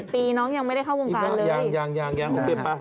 ๒๐ปีน้องยังไม่ได้เข้าวงฟ้านเลยหรือเปล่ายัง